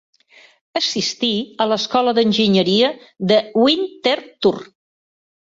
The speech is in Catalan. Assistí a l'escola d'Enginyeria de Winterthur.